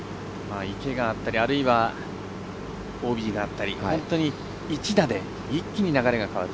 池があったりあるいはＯＢがあったり本当に１打で一気に流れが変わる。